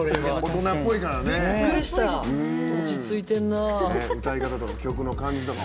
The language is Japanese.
落ち着いてんな。